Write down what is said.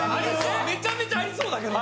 めちゃめちゃありそうだけど。